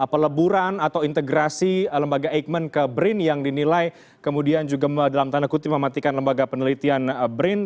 peleburan atau integrasi lembaga eijkman ke brin yang dinilai kemudian juga dalam tanda kutip mematikan lembaga penelitian brin